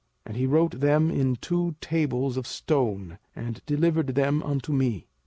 And he wrote them in two tables of stone, and delivered them unto me.